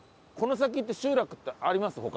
この先って集落ってあります？